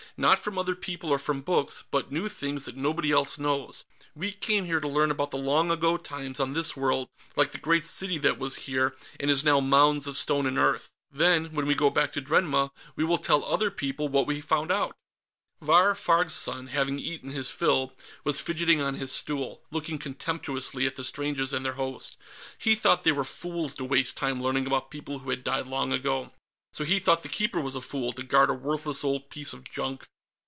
Not from other people or from books, but new things, that nobody else knows. We came here to learn about the long ago times on this world, like the great city that was here and is now mounds of stone and earth. Then, when we go back to Dremna, we will tell other people what we have found out." Vahr Farg's son, having eaten his fill, was fidgeting on his stool, looking contemptuously at the strangers and their host. He thought they were fools to waste time learning about people who had died long ago. So he thought the Keeper was a fool, to guard a worthless old piece of junk.